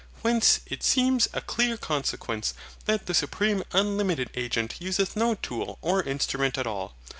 Whence it seems a clear consequence, that the supreme unlimited agent useth no tool or instrument at all.